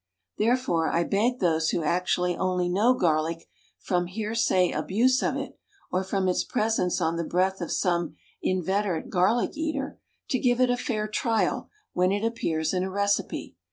Therefore I beg those who actually only know garlic from hearsay abuse of it, or from its presence on the breath of some inveterate garlic eater, to give it a fair trial when it appears in a recipe.